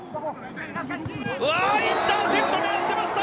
うわー、インターセプト狙ってました。